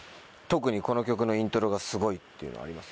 特にこの曲のイントロがすごいっていうのはあります？